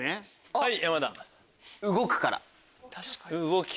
はい！